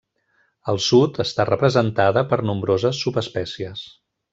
Al sud està representada per nombroses subespècies.